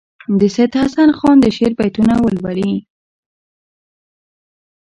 د سیدحسن خان د شعر بیتونه ولولي.